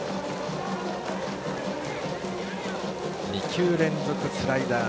２球連続スライダー。